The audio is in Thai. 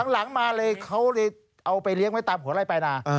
หลังมาเลยเขาเลยเอาไปเลี้ยงไว้ตามหัวไล่ปลายนา